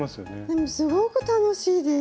でもすごく楽しいです。